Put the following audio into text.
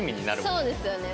そうですよね。